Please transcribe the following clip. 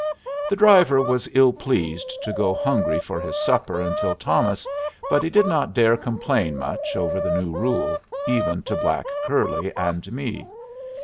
The driver was ill pleased to go hungry for his supper until Thomas, but he did not dare complain much over the new rule, even to black curly and me.